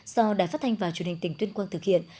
do đài phát thanh và truyền hình tỉnh tuyên quang thực hiện